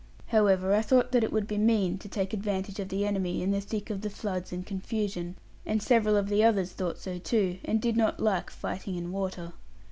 However, I thought that it would be mean to take advantage of the enemy in the thick of the floods and confusion; and several of the others thought so too, and did not like fighting in water.